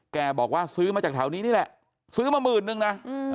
แกบอกว่าซื้อมาจากแถวนี้นี่แหละซื้อมาหมื่นนึงนะ